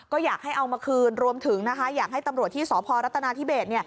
ก็อยากให้เอามาคืนรวมถึงนะคะอยากให้ตำรวจที่สพรัฐนาธิเบส